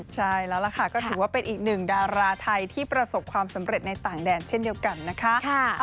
ใช่แล้วล่ะค่ะก็ถือว่าเป็นอีกหนึ่งดาราไทยที่ประสบความสำเร็จในต่างแดนเช่นเดียวกันนะคะ